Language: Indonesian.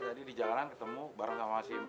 udah tadi di jalanan ketemu bareng sama si mpo juga